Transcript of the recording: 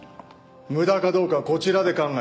無駄かどうかはこちらで考える。